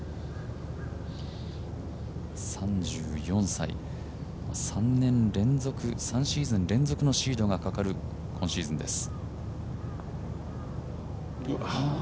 ３４歳、３シーズン連続のシードがかかる今シーズンです。